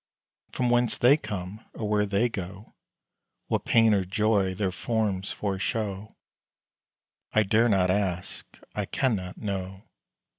From whence they come, or where they go, What pain or joy their forms foreshow, I dare not ask I cannot know.